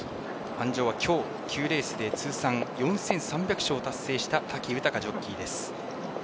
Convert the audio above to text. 鞍上はきょう９レースで通算４３００勝を達成した武豊ジョッキーです。